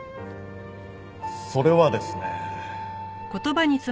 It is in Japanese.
それはですね。